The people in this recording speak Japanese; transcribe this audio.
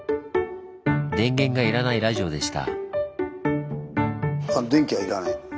電源が要らないラジオでした。